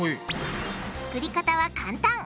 作り方は簡単！